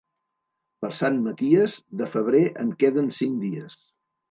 Per Sant Maties, de febrer en queden cinc dies.